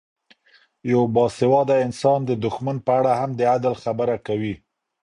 یو باسواده انسان د دښمن په اړه هم د عدل خبره کوي.